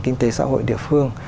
kinh tế xã hội địa phương